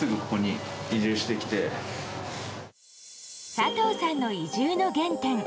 佐藤さんの移住の原点